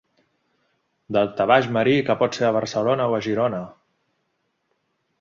Daltabaix marí que pot ser a Barcelona o a Girona.